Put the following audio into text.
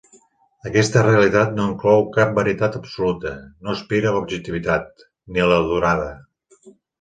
Aquesta realitat no inclou cap veritat absoluta, no aspira a l'objectivitat, ni a la durada.